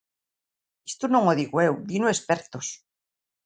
Isto non o digo eu, dino expertos.